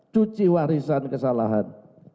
cuci warisan kesalahan